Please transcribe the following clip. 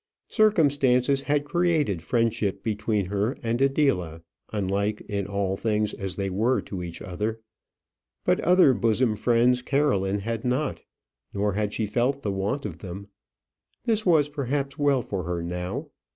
Circumstances had created friendship between her and Adela, unlike in all things as they were to each other. But other bosom friends Caroline had not; nor had she felt the want of them. This was perhaps well for her now.